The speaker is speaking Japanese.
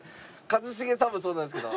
一茂さんもそうなんですけど。